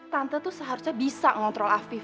tante tuh seharusnya bisa mengontrol afif